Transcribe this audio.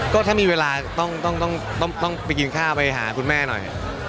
ก็ถ้ามีเวลาต้องไปกินข้าวไปหาคุณแม่หน่อย